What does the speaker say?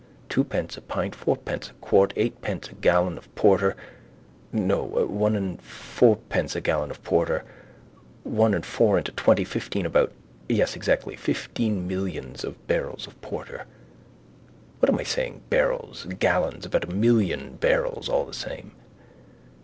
Twopence a pint, fourpence a quart, eightpence a gallon of porter, no, one and fourpence a gallon of porter. One and four into twenty: fifteen about. Yes, exactly. Fifteen millions of barrels of porter. What am I saying barrels? Gallons. About a million barrels all the same.